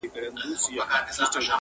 • پر چنارونو به یې کښلي قصیدې وي وني -